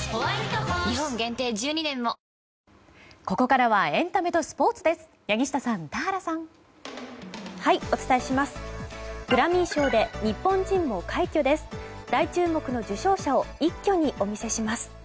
ここからはエンタメとスポーツです。